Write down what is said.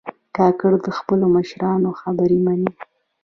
کاکړ د خپلو مشرانو خبرې منې.